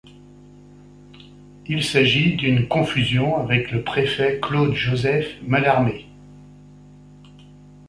Il s'agit d'une confusion avec le préfet Claude-Joseph Mallarmé.